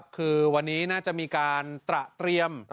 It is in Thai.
คือวันนี้น่าจะมีการตระเตรียม